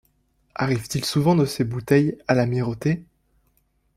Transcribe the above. Arrive-t-il souvent de ces bouteilles à l’amirauté?